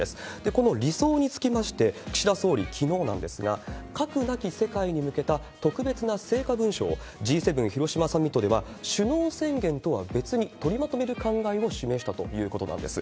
この理想につきまして、岸田総理、きのうなんですが、核なき世界に向けた特別な成果文書を、Ｇ７広島サミットでは首脳宣言とは別に取りまとめる考えを示したということなんです。